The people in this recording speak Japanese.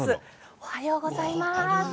おはようございます。